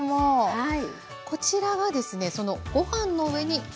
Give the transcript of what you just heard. はい。